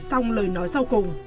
xong lời nói sau cùng